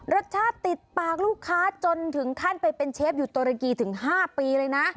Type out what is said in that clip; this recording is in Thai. รสชาติติดปากลูกค้าจนถึงขั้นไปเป็นเชฟอยู่ตุรกีถึง๕ปีเลยนะ